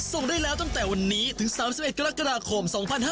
ส่งได้แล้วตั้งแต่วันนี้ถึง๓๑กรกฎาคม๒๕๕๙